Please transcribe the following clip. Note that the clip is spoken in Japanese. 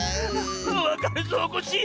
わかるぞコッシー！